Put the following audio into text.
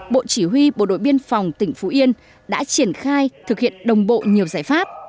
bộ chỉ huy bộ đội biên phòng tỉnh phú yên đã triển khai thực hiện đồng bộ nhiều giải pháp